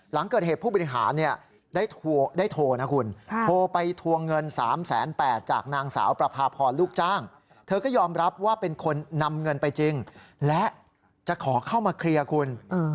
หลังเกิดเหตุผู้บริหารได้โทรนะคุณ